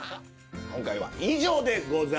今回は以上でございます。